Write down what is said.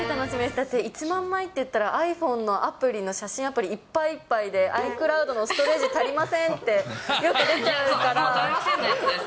だって１万枚っていったら、ｉＰｈｏｎｅのアプリの写真アプリいっぱいいっぱいでアイクラウドのストレージ足りませんって、よく出ちゃうから。